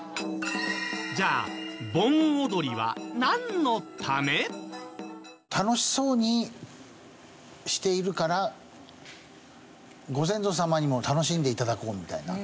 じゃあ楽しそうにしているからご先祖様にも楽しんで頂こうみたいな。